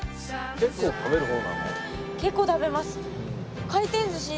結構食べます。